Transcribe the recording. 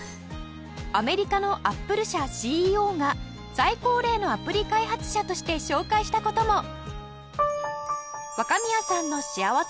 アメリカのアップル社 ＣＥＯ が最高齢のアプリ開発者として紹介した事も！